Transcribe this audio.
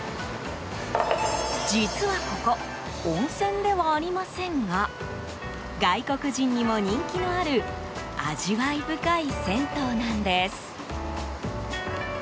実はここ、温泉ではありませんが外国人にも人気のある味わい深い銭湯なんです。